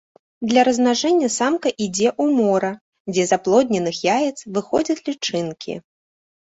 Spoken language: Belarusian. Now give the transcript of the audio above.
Для размнажэння самка ідзе ў мора, дзе з аплодненых яец выходзяць лічынкі.